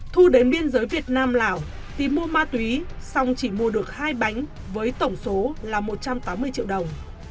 thu đến biên giới việt nam lào tìm mua ma túy xong chỉ mua được hai bánh với tổng số là một trăm tám mươi triệu đồng